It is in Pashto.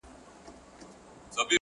سرداري يې زما په پچه ده ختلې-